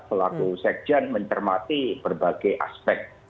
selaku sekjen mencermati berbagai aspek